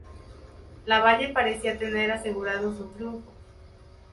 Lavalle parecía tener asegurado su triunfo.